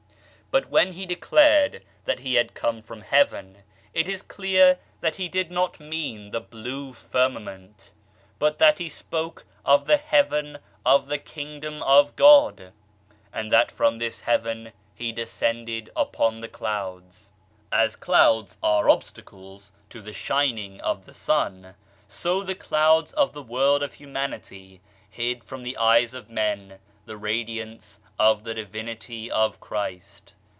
But when He declared that He had come from Heaven, it is clear that He did not mean the blue firmament but that He spoke of the Heaven of the Kingdom of God, and that from this Heaven He descended upon the clouds. As clouds are obstacles to the shining of the sun, so the clouds of the world of humanity hid from the eyes of men the radiance of the Divinity of Christ.